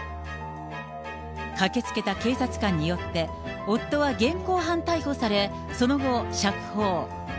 駆けつけた警察官によって、夫は現行犯逮捕され、その後、釈放。